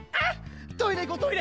トイレいこうトイレ！